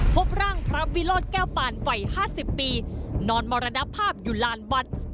พบร่างพระวิโรธแก้วปานวัย๕๐ปีนอนมรณภาพอยู่ลานวัด